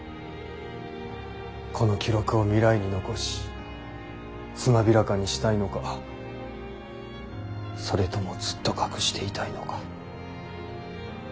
この記録を未来に残しつまびらかにしたいのかそれともずっと隠していたいのか。